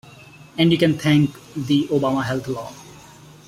And you can thank the Obama health law.